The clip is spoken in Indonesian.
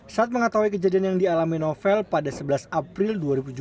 saat mengetahui kejadian yang dialami novel pada sebelas april dua ribu tujuh belas